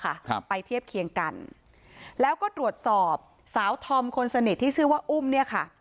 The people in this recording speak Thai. ครับไปเทียบเคียงกันแล้วก็ตรวจสอบสาวธอมคนสนิทที่ชื่อว่าอุ้มเนี้ยค่ะ